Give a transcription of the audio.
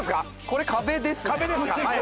これ壁ですね。